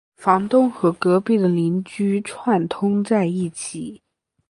房东和隔壁的邻居串通在一起